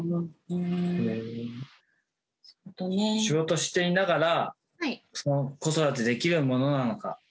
仕事していながら子育てできるものなのか？